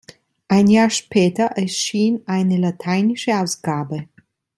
Ein Jahr später erschien eine lateinische Ausgabe.